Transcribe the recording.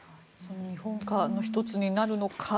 日本化の１つになるのか。